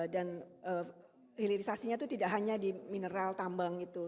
hilirisasinya itu tidak hanya di mineral tambang itu